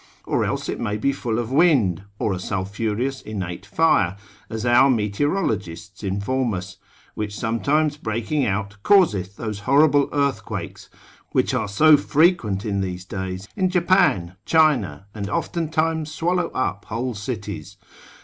Or else it may be full of wind, or a sulphureous innate fire, as our meteorologists inform us, which sometimes breaking out, causeth those horrible earthquakes, which are so frequent in these days in Japan, China, and oftentimes swallow up whole cities.